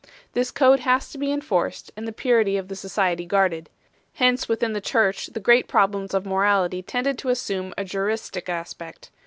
This code has to be enforced and the purity of the society guarclecl. Hence within the Church the great problems of morality tended to assume a juristic aspect.